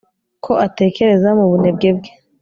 Ko atekereza mubunebwe bwe